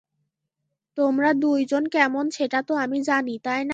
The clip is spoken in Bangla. তোমরা দুই-জন কেমন সেটা তো আমি জানি, তাই না?